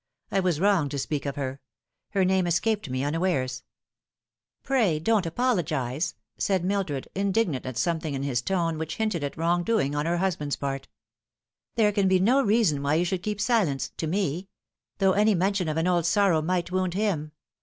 I was wrong to speak of her. Her name escaped me unawares." " Pray don't apologise," said Mildred, indignant at something in his tone which hinted at wrong doing on her husband's part. *' There can be no reason why you should keep silence to me ; though any mention of an old sorrow might wound him.